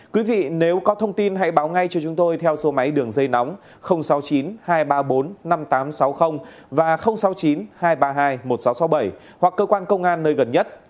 quý vị nếu có thông tin hãy báo ngay cho chúng tôi theo số máy đường dây nóng sáu mươi chín hai trăm ba mươi bốn năm nghìn tám trăm sáu mươi và sáu mươi chín hai trăm ba mươi hai một nghìn sáu trăm sáu mươi bảy hoặc cơ quan công an nơi gần nhất